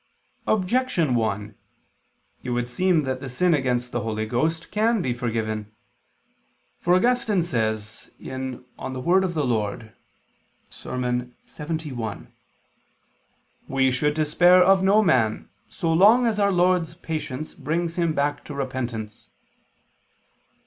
Objection 1: It would seem that the sin against the Holy Ghost can be forgiven. For Augustine says (De Verb. Dom., Serm. lxxi): "We should despair of no man, so long as Our Lord's patience brings him back to repentance."